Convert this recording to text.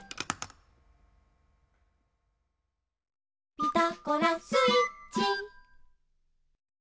「ピタゴラスイッチ」